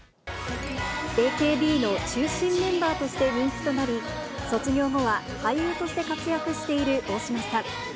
ＡＫＢの中心メンバーとして人気となり、卒業後は俳優として活躍している大島さん。